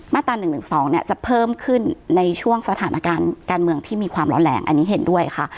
ตรา๑๑๒เนี่ยจะเพิ่มขึ้นในช่วงสถานการณ์การเมืองที่มีความร้อนแรงอันนี้เห็นด้วยค่ะ